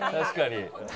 確かに。